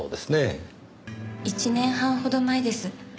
１年半ほど前です。